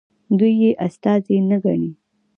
دوی یې استازي نه ګڼي.